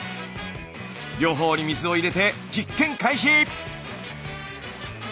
両方に水を入れて実験開始！